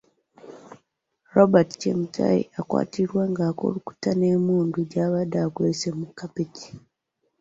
Robert Chemutai akwatiddwa ng'akukuta n'emmundu gy'abadde akwese mu kapeti.